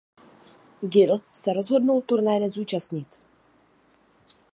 Gil se rozhodl turnaje nezúčastnit.